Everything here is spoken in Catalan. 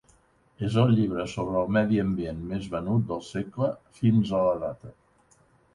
És el llibre sobre el medi ambient més venut del segle fins a la data.